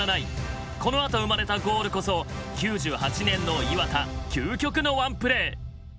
このあと生まれたゴールこそ９８年の磐田究極のワンプレー！